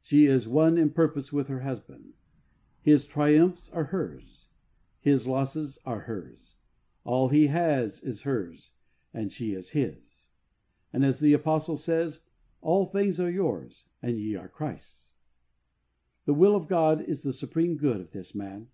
She is one in purpose with her husband. His triumphs are hers. His losses are hers. All he has is hers and she is his. And, as the Apostle says, All things are yours, and ye are Christ's.'' The will of God is the supreme good of this man.